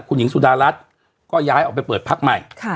คุณหญิงสุดารัฐก็ย้ายออกไปเปิดพักใหม่